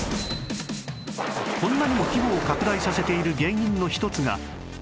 こんなにも規模を拡大させている原因の一つが